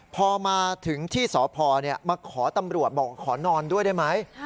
พอมาถึงที่สพมาขอตำรวจบอกขอนอนด้วยได้ไหม